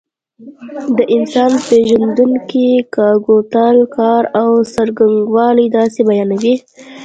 د انسان پېژندونکي د کګوتلا کار او څرنګوالی داسې بیانوي.